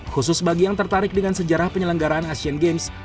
khusus bagi yang tertarik dengan sejarah penyelenggaraan asian games